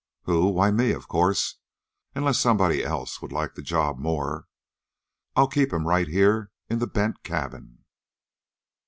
"Who? Why me, of course! Unless somebody else would like the job more? I'll keep him right here in the Bent cabin."